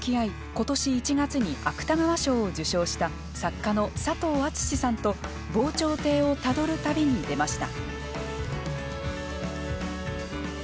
今年１月に芥川賞を受賞した作家の佐藤厚志さんと防潮堤をたどる旅に出ました。